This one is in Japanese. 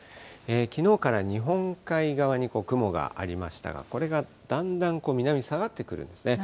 きのうから日本海側に雲がありましたが、これがだんだん南に下がってくるんですね。